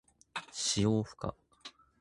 使用不可。